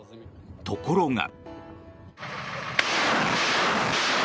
ところが。